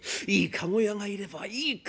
いい駕籠屋がいればいい